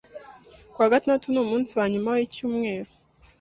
Ku wa gatandatu ni umunsi wanyuma wicyumweru.